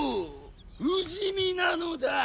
不死身なのだぁ！